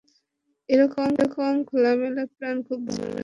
এরকম খোলামেলা প্ল্যান খুব ভালো লেগেছে!